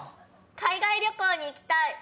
海外旅行に行きたい！